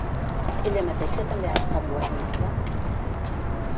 Ella mateixa també ha estat guardonada?